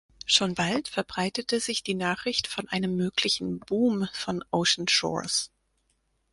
Schon bald verbreitete sich die Nachricht von einem möglichen Boom von Ocean Shores.